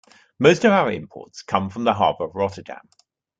Most of our imports come from the harbor of Rotterdam.